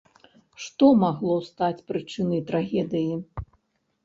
Што магло стаць прычынай трагедыі?